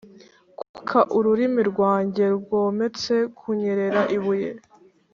kubika ururimi rwanjye rwometse, kunyerera ibuye,